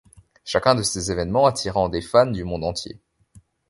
Chacun de ces évènements attirant des fans du monde entier.